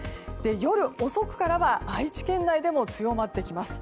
夜遅くからは愛知県内でも強まってきます。